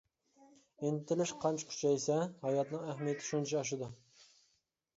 ئىنتىلىش قانچە كۈچەيسە، ھاياتنىڭ ئەھمىيىتى شۇنچە ئاشىدۇ.